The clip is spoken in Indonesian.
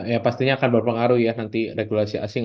ya pastinya akan berpengaruh ya nanti regulasi asing